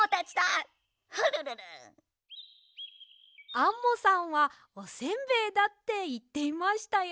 アンモさんはおせんべいだっていっていましたよ。